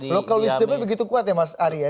local wisdomnya begitu kuat ya mas ari ya